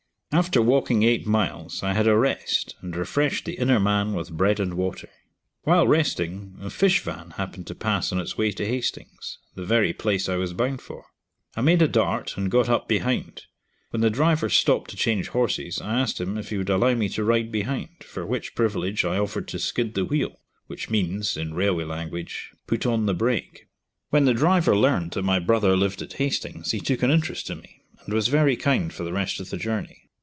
After walking eight miles, I had a rest, and refreshed the inner man with bread and water. While resting, a fish van happened to pass on its way to Hastings, the very place I was bound for. I made a dart and got up behind. When the driver stopped to change horses, I asked him if he would allow me to ride behind, for which privilege I offered to skid the wheel, which means, in railway language, put on the brake. When the driver learnt that my brother lived at Hastings he took an interest in me, and was very kind for the rest of the journey.